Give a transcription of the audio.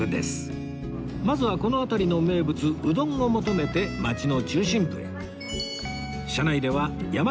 まずはこの辺りの名物うどんを求めて街の中心部へ